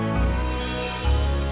makasih ya sayang